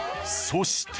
そして。